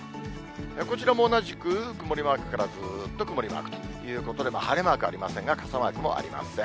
こちらも同じく曇りマークからずーっと曇りマークということで、晴れマークありませんが、傘マークもありません。